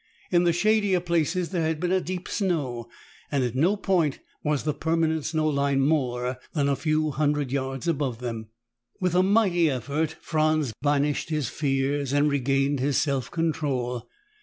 In the shadier places there had been deep snow, and at no point was the permanent snow line more than a few hundred yards above them. With a mighty effort, Franz banished his fears and regained his self control.